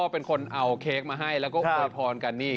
เป็นคนเอาเค้กมาให้